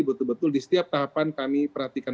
betul betul di setiap tahapan kami perhatikan